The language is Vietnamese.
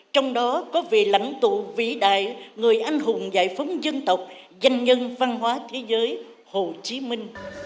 trong đó có vị lãnh tụ vĩ đại người anh hùng giải phóng dân tộc danh nhân văn hóa thế giới hồ chí minh